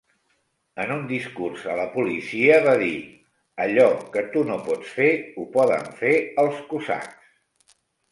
En un discurs a la policia va dir: "Allò que tu no pots fer, ho poden fer els cosacs".